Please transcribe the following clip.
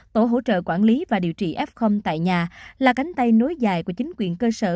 tổ hỗ trợ quản lý và điều trị f tại nhà là cánh tay nối dài của chính quyền cơ sở